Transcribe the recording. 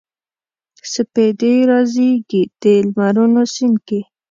سپیدې رازیږي د لمرونو سیند کې